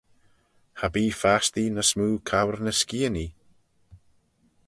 Cha bee fastee ny smoo cour ny skianee?